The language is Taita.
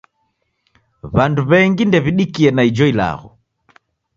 W'andu w'engu ndew'idikie na ijo ilagho.